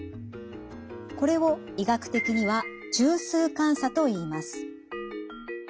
これを医学的には中枢感作といいます。